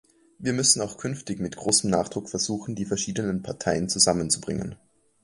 Wir müssen auch künftig mit großem Nachdruck versuchen, die verschiedenen Parteien zusammenzubringen.